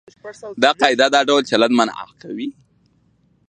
دا قاعده دا ډول چلند منع کوي.